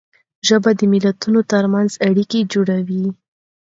ژبه د ملتونو تر منځ اړیکه جوړوي.